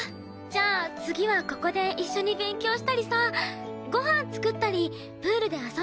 じゃあ次はここで一緒に勉強したりさご飯作ったりプールで遊んだりしよう！